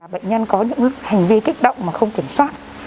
bệnh nhân có những hành vi kích động mà không kiểm soát